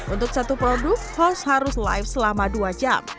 untuk satu produk host harus live selama dua jam